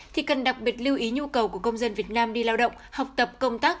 thì cần đặc biệt lưu ý nhu cầu của công dân việt nam đi lao động học tập công tác